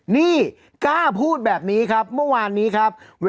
นี่กล้าพูดแบบนี้ครับเมื่อวานนี้ครับ